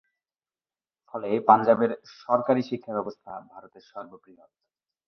ফলে পাঞ্জাবের সরকারী শিক্ষাব্যবস্থা ভারতে সর্ববৃহৎ।